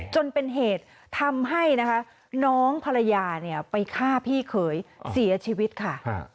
จนเป็นเหตุทำให้นะคะน้องภรรยาเนี่ยไปฆ่าพี่เขยเสียชีวิตค่ะ